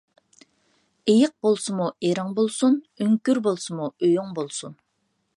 ئېيىق بولسىمۇ ئېرىڭ بولسۇن، ئۆڭكۈر بولسىمۇ ئۆيۈڭ بولسۇن.